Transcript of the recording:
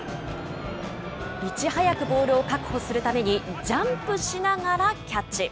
いち早くボールを確保するために、ジャンプしながらキャッチ。